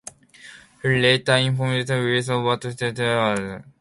He later informs Wilson of what he has learned.